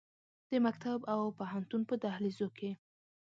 د مکتب او پوهنتون په دهلیزو کې